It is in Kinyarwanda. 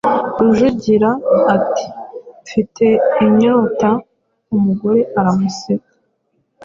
Rujugira ati «Mfite inyota». Umugore aramuseka,